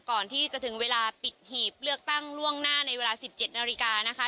ก่อนที่จะถึงเวลาปิดหีบเลือกตั้งล่วงหน้าในเวลา๑๗นาฬิกานะคะ